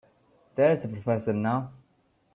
There's the professor now.